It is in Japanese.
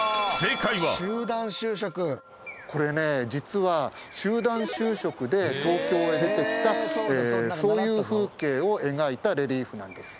これね実は集団就職で東京へ出てきたそういう風景を描いたレリーフなんです。